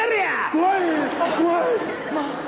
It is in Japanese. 怖い！